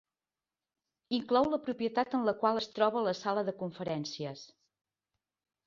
Inclou la propietat en la qual es troba la sala de conferències.